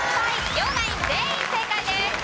両ナイン全員正解です。